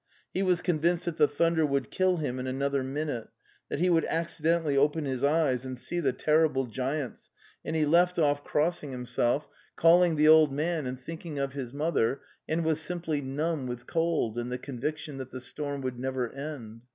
He was convinced that the thunder would kill him in another minute, that he would accidentally open his eyes and see the ter rible giants, and he left off crossing himself, calling 278 The Dales' of) Chekhoy, the old man and thinking of his mother, and was simply numb with cold and the conviction that the storm would never end.